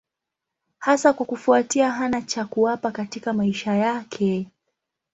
Hasa kwa kufuatia hana cha kuwapa katika maisha yake.